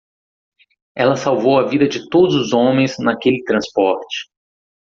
Ela salvou a vida de todos os homens naquele transporte.